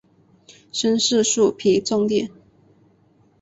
深色树皮纵裂。